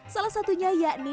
salah satunya yakni